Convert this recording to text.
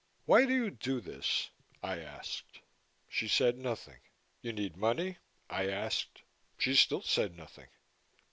"Why do you do this?" I asked. She said nothing. "You need money?" I asked. She still said nothing.